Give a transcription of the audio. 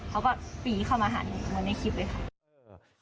เขาก็ปีเข้ามาหัน